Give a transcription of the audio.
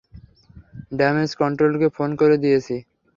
Damage কন্ট্রোলকে phone করে দিয়েছি।